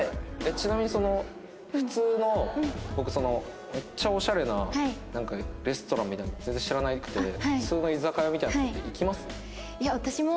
ちなみにその普通の僕そのめっちゃオシャレなレストランみたいなの全然知らなくて普通の居酒屋みたいなとこって行きます？